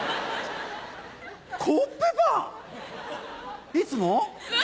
コッペパン！いつも？